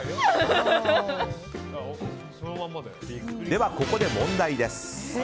ではここで問題です。